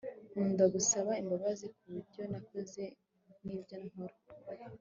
nkunda gusaba imbabazi kubyo nakoze nibyo nkora